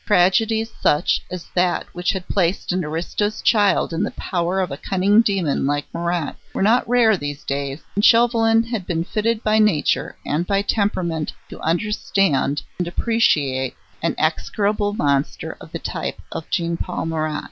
Tragedies such as that which had placed an aristo's child in the power of a cunning demon like Marat were not rare these days, and Chauvelin had been fitted by nature and by temperament to understand and appreciate an execrable monster of the type of Jean Paul Marat.